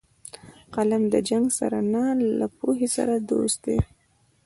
قلم له جنګ سره نه، له پوهې سره دوست دی